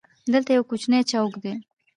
دلته یو کوچنی چوک دی.